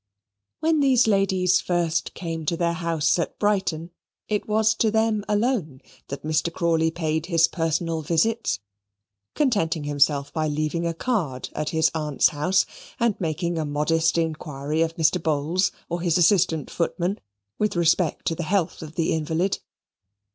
When these ladies first came to their house at Brighton, it was to them alone that Mr. Crawley paid his personal visits, contenting himself by leaving a card at his aunt's house, and making a modest inquiry of Mr. Bowls or his assistant footman, with respect to the health of the invalid.